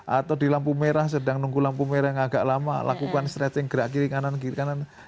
atau di lampu merah sedang nunggu lampu merah yang agak lama lakukan stretching gerak kiri kanan kiri kanan